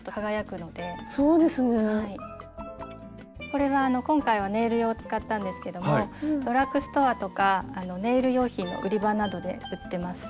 これは今回はネイル用を使ったんですけどもドラッグストアとかネイル用品の売り場などで売ってます。